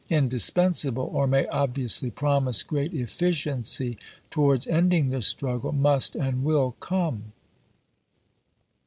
indispensable, or may obviously promise great efficiency towards ending the struggle, must and will come.